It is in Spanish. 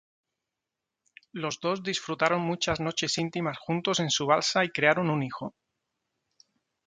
Los dos disfrutaron muchas noches íntimas juntos en su balsa y crearon un hijo.